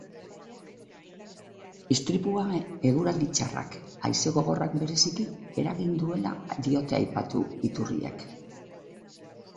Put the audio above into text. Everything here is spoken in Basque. Istripua eguraldi txarrak, haize gogorrak bereziki, eragin duela diote aipatu iturriek.